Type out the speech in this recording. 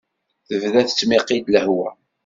Tebda tettmiqi-d lehwa.